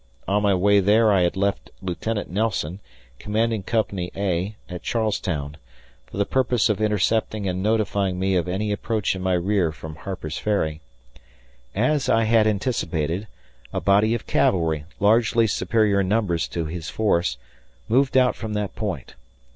On my way there I had left Lieutenant Nelson, commanding Company A, at Charles Town, for the purpose of intercepting and notifying me of any approach in my rear from Harper's Ferry. As I had anticipated, a body of cavalry, largely superior in numbers to his force, moved out from that point.